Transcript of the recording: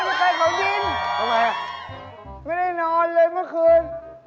ไม่ได้ไปเก่าดินไม่ได้นอนเลยเมื่อคืน